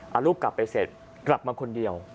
เอาลูกกลับไปเสร็จกลับมาคนเดียว